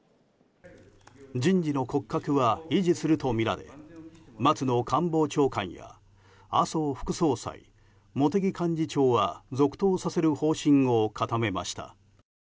人事の骨格は維持するとみられ松野官房長官や麻生副総裁、茂木幹事長は続投させる方針を固めました。